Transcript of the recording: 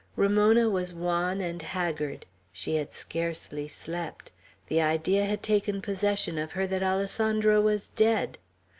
Ramona was wan and haggard. She had scarcely slept. The idea had taken possession of her that Alessandro was dead.